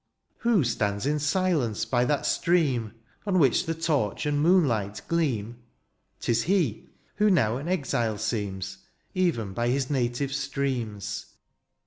Who stands in silence by that stream On which the torch and moolight gleam ? Tis he, who now an exile seems. Even by his native streams.